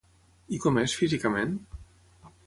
I com és físicament?